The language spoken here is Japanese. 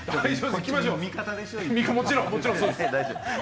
もちろん。